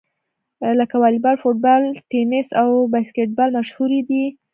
لکه واليبال، فوټبال، ټېنیس او باسکیټبال مشهورې دي.